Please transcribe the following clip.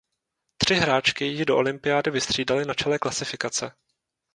Tři hráčky ji do olympiády vystřídaly na čele klasifikace.